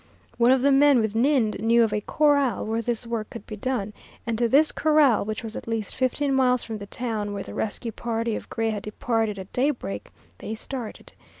One of the men with Ninde knew of a corral where this work could be done, and to this corral, which was at least fifteen miles from the town where the rescue party of Gray had departed at daybreak, they started.